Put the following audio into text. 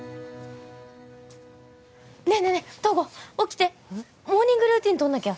ねえねえねえ東郷起きてモーニングルーティン撮んなきゃ